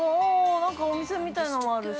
なんか、お店みたいなのもあるし。